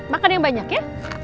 makan yang banyak ya